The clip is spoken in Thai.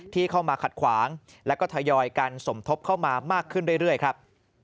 ที่เข้ามาขัดขวางแล้วก็ทยอยกันสมทบเข้ามามากขึ้นเรื่อยครับ